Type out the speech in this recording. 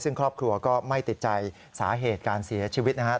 ซึ่งครอบครัวก็ไม่ติดใจสาเหตุการเสียชีวิตนะครับ